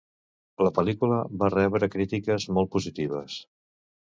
La pel·lícula va rebre crítiques molt positives.